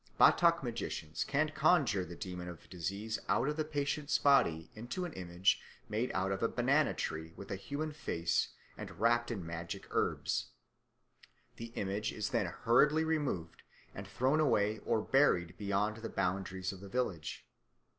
Batak magicians can conjure the demon of disease out of the patient's body into an image made out of a banana tree with a human face and wrapt up in magic herbs; the image is then hurriedly removed and thrown away or buried beyond the boundaries of the village.